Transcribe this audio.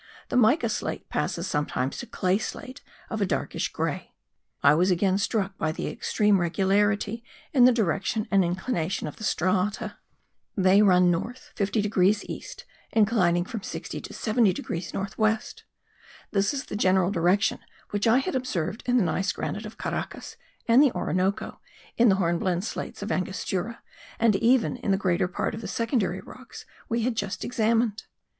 The mica slate passes sometimes to clay slate of a darkish grey. I was again struck by the extreme regularity in the direction and inclination of the strata. They run north 50 degrees east, inclining from 60 to 70 degrees north west. This is the general direction which I had observed in the gneiss granite of Caracas and the Orinoco, in the hornblende slates of Angostura, and even in the greater part of the secondary rocks we had just examined.